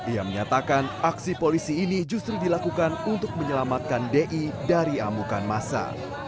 ia menyatakan aksi polisi ini justru dilakukan untuk menyelamatkan di dari amukan masa